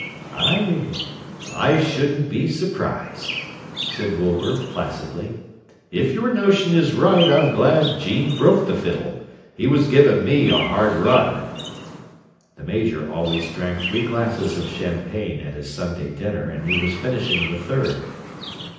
"I shouldn't be surprised," said Wilbur placidly. "If your notion is right, I'm glad 'Gene broke the fiddle. He was giving me a hard run!" The Major always drank three glasses of champagne at his Sunday dinner, and he was finishing the third.